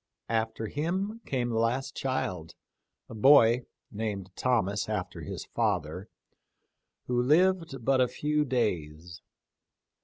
After him came the last child, a boy — named Thomas after his father — who lived but a few days.